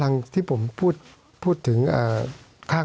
สวัสดีครับทุกคน